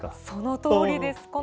そのとおりです。